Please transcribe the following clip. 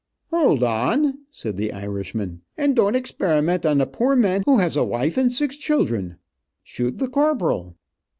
"Hold on," said the Irishman, "and don't experiment on a poor man who has a wife and six children. Shoot the corporal."